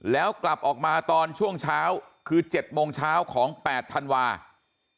แล้วกลับออกมาตอนช่วงเช้าคือ๗โมงเช้าของ๘ธันวาคม